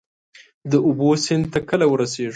د اوبو، سیند ته کله ورسیږو؟